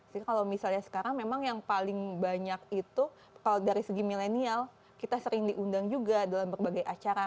jadi kalau misalnya sekarang memang yang paling banyak itu kalau dari segi milenial kita sering diundang juga dalam berbagai acara